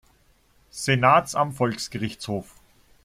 Senats am Volksgerichtshof.